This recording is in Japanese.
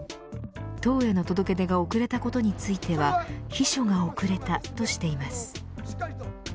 党への届け出が遅れたことについては秘書が遅れたとしています。